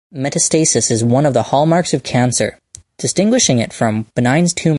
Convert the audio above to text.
Metastasis is one of the hallmarks of cancer, distinguishing it from benign tumors.